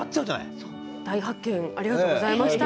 大発見ありがとうございました。